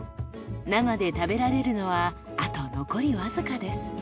生で食べられるのはあと残りわずかです。